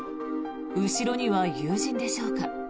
後ろには友人でしょうか。